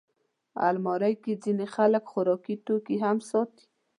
الماري کې ځینې خلک خوراکي توکي هم ساتي